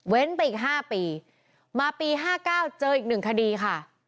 เว้นไปอีกห้าปีมาปีห้าเก้าเจออีกหนึ่งคดีค่ะ